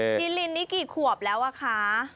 ชิลินนี่กี่ขวบแล้วอะคะ